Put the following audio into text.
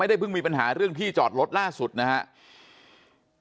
ได้เพิ่งมีปัญหาเรื่องที่จอดรถล่าสุดนะครับ